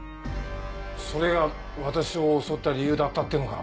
それが私を襲った理由だったってのか？